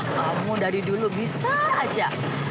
kamu dari dulu bisa aja